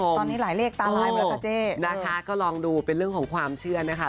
ตอนนี้หลายเลขตาร้ายมาแล้วค่ะเจ๊นะคะก็ลองดูเป็นเรื่องของความเชื่อนะคะ